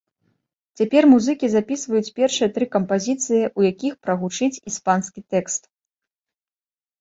Цяпер музыкі запісваюць першыя тры кампазіцыі, у якіх прагучыць іспанскі тэкст.